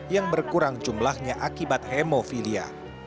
yang berkurang jumlahnya akibat hemofilia